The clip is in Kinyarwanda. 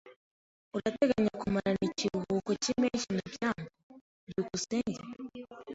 Urateganya kumarana ikiruhuko cyimpeshyi na byambo? byukusenge